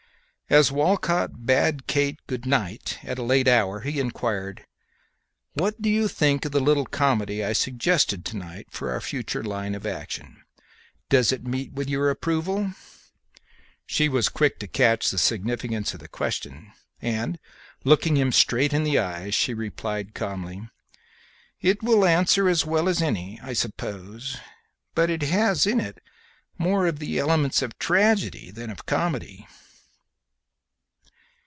As Walcott bade Kate good night at a late hour he inquired, "What do you think of the little comedy I suggested to night for our future line of action? Does it meet with your approval?" She was quick to catch the significance of the question, and, looking him straight in the eyes, she replied, calmly, "It will answer as well as any, I suppose; but it has in it more of the elements of tragedy than of comedy."